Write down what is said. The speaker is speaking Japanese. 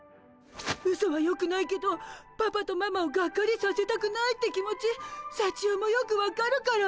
ウソはよくないけどパパとママをがっかりさせたくないって気持ちさちよもよく分かるから。